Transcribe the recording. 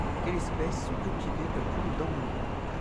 Quelques espèces sont cultivées comme plantes d'ornement.